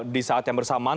di saat yang bersamaan